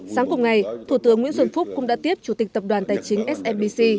sáng cùng ngày thủ tướng nguyễn xuân phúc cũng đã tiếp chủ tịch tập đoàn tài chính smbc